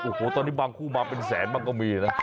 โอ้โหตอนนี้บางคู่มาเป็นแสนบ้างก็มีนะ